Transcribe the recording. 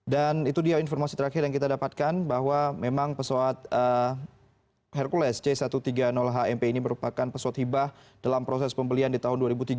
dan itu dia informasi terakhir yang kita dapatkan bahwa memang pesawat hercules c satu ratus tiga puluh h mp ini merupakan pesawat hibah dalam proses pembelian di tahun dua ribu tiga belas